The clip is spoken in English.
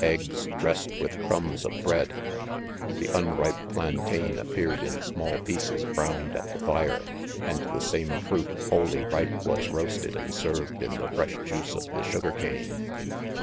PEGLOGUE, 7 dressed with crumbs of bread , trre unripe plan* tain appealed in small pieces browned at the fixe 3 and the same fruit wholly ripe was roast 3d and served in the fresh juice of the sugar cane.